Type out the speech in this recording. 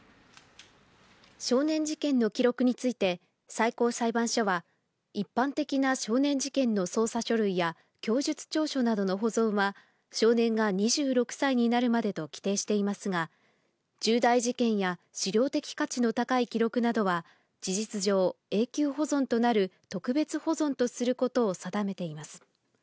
少年事件の記録について、最高裁判所は、一般的な少年事件の捜査書類や供述調書などの保存は少年が２６歳になるまでと規定していますが、重大事件や史料的価値の高い記録などは事実上、永久保存となる特別保存とすることを定めています。